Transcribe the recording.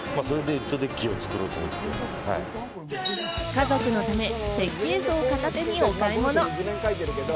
家族のため、設計図を片手にお買い物。